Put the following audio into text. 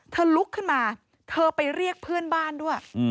ลุกขึ้นมาเธอไปเรียกเพื่อนบ้านด้วย